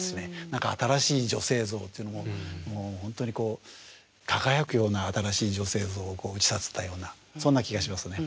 何か新しい女性像というのをもう本当に輝くような新しい女性像を打ち立てたようなそんな気がしますね。